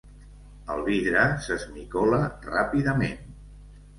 El vidre s'esmicola ràpidament.